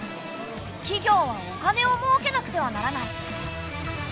企業はお金をもうけなくてはならない。